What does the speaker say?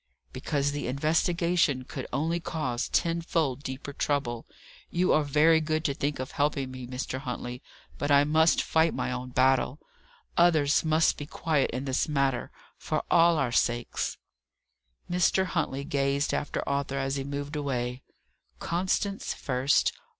"Because the investigation could only cause tenfold deeper trouble. You are very good to think of helping me, Mr. Huntley, but I must fight my own battle. Others must be quiet in this matter for all our sakes." Mr. Huntley gazed after Arthur as he moved away. Constance first!